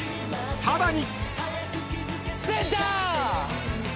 ［さらに］